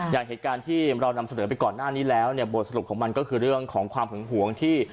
อย่างเหตุการณ์ที่เรานำเสนอไปก่อนหน้านี้แล้วเนี่ยบทสรุปของมันก็คือเรื่องของความหึงหวงที่